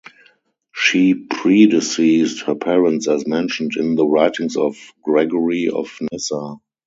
She predeceased her parents as mentioned in the writings of Gregory of Nyssa.